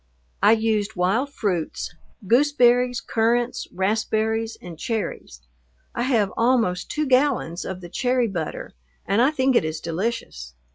I used wild fruits, gooseberries, currants, raspberries, and cherries. I have almost two gallons of the cherry butter, and I think it is delicious.